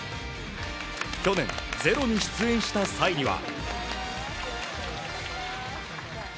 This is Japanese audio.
去年、「ｚｅｒｏ」に出演した際には。